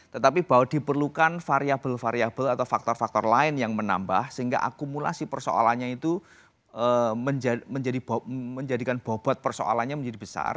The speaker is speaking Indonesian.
tetapi bahwa diperlukan variable variable atau faktor faktor lain yang menambah sehingga akumulasi persoalannya itu menjadikan bobot persoalannya menjadi besar